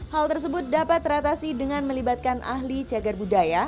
hal tersebut dapat teratasi dengan melibatkan ahli jagar budaya